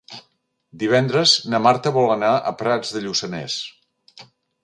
Divendres na Marta vol anar a Prats de Lluçanès.